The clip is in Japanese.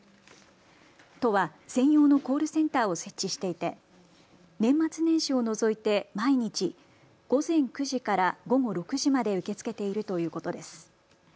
都は専用のコールセンターを設置していて年末年始を除いて毎日、午前９時から午後６時まで受け付けているということです。